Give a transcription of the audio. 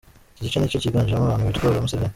Iki gice ni cyo kiganjemo abantu bitwa aba Museveni.